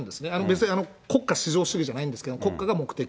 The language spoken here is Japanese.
実際、国家至上主義じゃないんですけど、国家が目的。